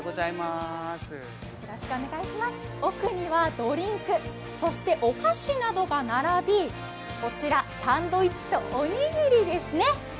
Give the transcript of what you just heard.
奥にはドリンク、そしてお菓子などが並びこちら、サンドイッチとおにぎりですね。